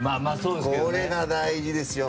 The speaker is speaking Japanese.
これが大事ですよ。